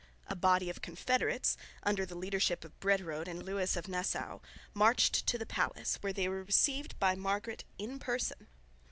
A body of confederates under the leadership of Brederode and Lewis of Nassau marched to the palace, where they were received by Margaret in person.